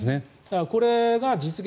これが実現